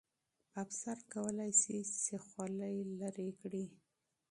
افسر کولای سي چې خولۍ ایسته کړي.